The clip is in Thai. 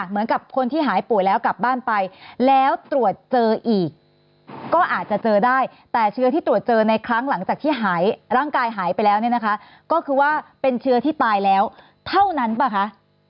เหมือนกับคนที่หายป่วยแล้วกลับบ้านไปแล้วตรวจเจออีกก็อาจจะเจอได้แต่เชื้อที่ตรวจเจอในครั้งหลังจากที่หายร่างกายหายไปแล้วเนี่ยนะคะก็คือว่าเป็นเชื้อที่ตายแล้วเท่านั้นป่ะคะ